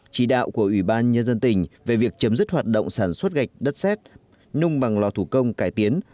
chỉ đạo của ủy ban nhân dân tỉnh về việc chấm dứt hoạt động sản xuất gạch đất xét nung bằng lò thủ công cải tiến